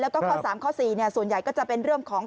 แล้วก็ข้อ๓ข้อ๔ส่วนใหญ่ก็จะเป็นเรื่องของ